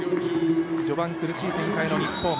序盤、苦しい展開の日本。